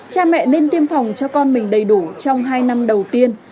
cha mẹ nên tiêm phòng cho con mình đầy đủ trong hai năm đầu tiên